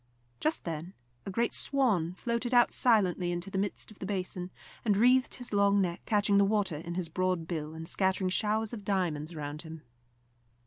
Just then a great swan floated out silently into the midst of the basin, and wreathed his long neck, catching the water in his broad bill, and scattering showers of diamonds around him.